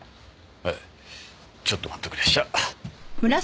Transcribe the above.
ええちょっと待っておくれやっしゃ。